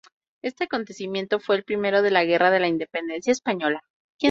Este acontecimiento, fue el primero de la Guerra de la Independencia Española.